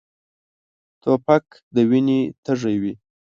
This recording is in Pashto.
توپک د وینې تږی وي.